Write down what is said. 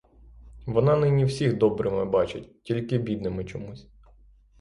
Вона нині всіх добрими бачить, тільки бідними чомусь.